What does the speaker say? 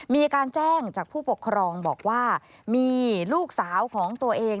มีการแจ้งจากผู้ปกครองบอกว่ามีลูกสาวของตัวเอง